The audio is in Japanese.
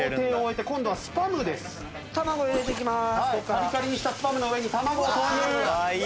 カリカリにしたスパムの上に卵を投入！